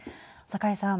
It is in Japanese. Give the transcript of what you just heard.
酒井さん。